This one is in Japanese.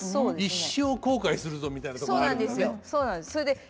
「一生後悔するぞ」みたいなとこがあるんですね。